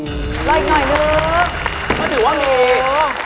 รออีกหน่อยด้วย